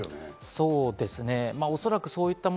そうですね。